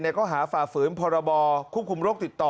แล้วก็หาฝ่าฝืนพรบคุมรกติดต่อ